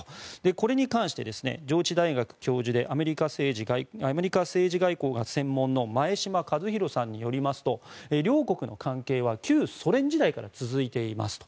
これに関して上智大学教授でアメリカ政治外交が専門の前嶋和弘さんによりますと両国の関係は旧ソ連時代から続いていますと。